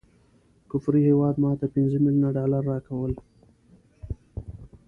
کفري هیواد ماته پنځه ملیونه ډالره راکول.